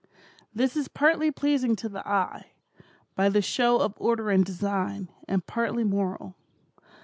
This is partly pleasing to the eye, by the show of order and design, and partly moral.